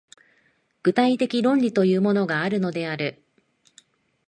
具体的論理というものがあるのである。